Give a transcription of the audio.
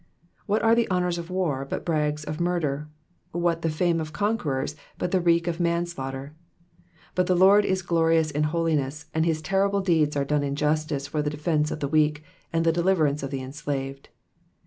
What are the honours of war but brags of murder? What the fame of conquerors but the reek of manslaughter ? But the Lord is glorious in holiness, and his terrible deeds are done in justice for the defence of the weak and the deliverance of the enslaved.